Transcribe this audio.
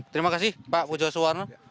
terima kasih pak pujo suwarno